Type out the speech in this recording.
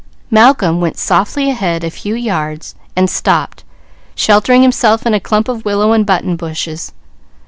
Malcolm went softly ahead a few yards, and stopped, sheltering himself in a clump of willow and button bushes.